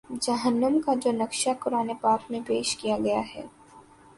جہنم کا جو نقشہ قرآن پاک میں پیش کیا گیا ہے